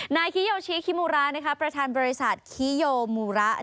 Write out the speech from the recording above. นายคิโยชิคิมูระประธานบริษัทคิโยมูระ